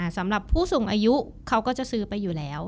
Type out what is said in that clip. สำหรับผู้สูงอายุเขาก็จะซื้อไปอยู่แล้ว